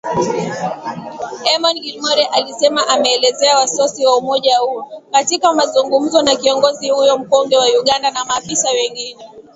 Eamon Gilmore alisema ameelezea wasiwasi wa umoja huo, katika mazungumzo na kiongozi huyo mkongwe wa Uganda na maafisa wengine